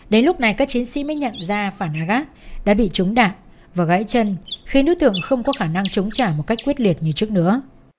đến lúc này các chiến sĩ mới nhận ra phản hà gác đã bị chống đạn và gãy chân khiến đối tượng không có khả năng chống trả một cách quyết liệt như trước nữa